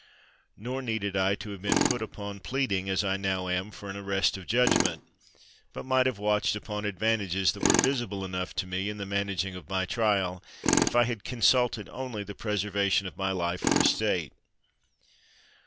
Nor needed I to have been put upon pleading, as now I am, for an arrest of judg ment ; but might have watched upon advantages that were visible enough to me, in the managing of my trial, if I had consulted only the preserva tion of my life or estate.